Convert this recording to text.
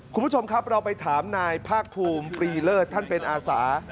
คุณผู้ชมครับเราไปถามนายภาคภูมิปรีเลิศท่านเป็นอาสา